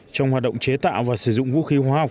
trong hoạt động chế tạo và sử dụng vũ khí hóa học